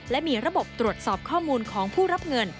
และมีระบบตรวจสอบข้อมูลของผู้รับเงิน